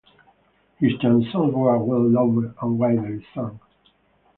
His chansons were well-loved and widely sung.